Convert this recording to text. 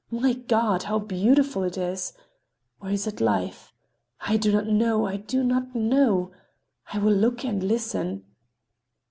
My God! How beautiful it is! Or is it Life? I do not know. I do not know. I will look and listen."